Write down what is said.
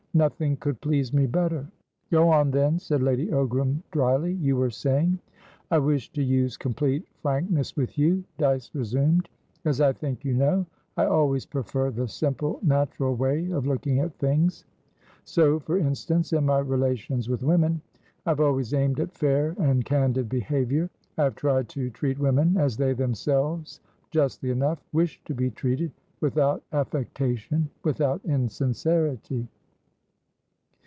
"Nothing could please me better." "Go on, then," said Lady Ogram, drily. "You were saying" "I wish to use complete frankness with you," Dyce resumed. "As I think you know, I always prefer the simple, natural way of looking at things. So, for instance, in my relations with women I have always aimed at fair and candid behaviour; I have tried to treat women as they themselves, justly enough, wish to be treated, without affectation, without insincerity.